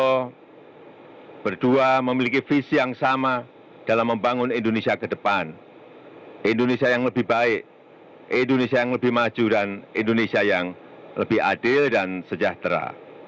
semoga amanah yang kembali diberikan pada saya sebagai presiden dan bapak gaya haji ma'ruf amin sebagai wakil presiden periode dua ribu sembilan belas dua ribu dua puluh empat dapat kami jalankan sebaik baiknya